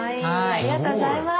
ありがとうございます！